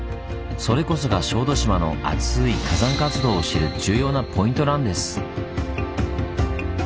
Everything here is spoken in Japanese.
それこそが小豆島のアツイ火山活動を知る重要なポイントなんです。